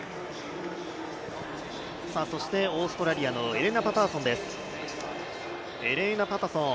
そして、オーストラリアのエレナー・パタソン。